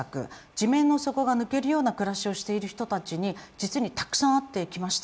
地面の底が抜けるような暮らしをしている人たちに実にたくさん会ってきました。